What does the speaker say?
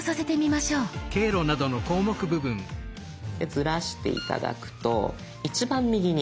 ずらして頂くと一番右に。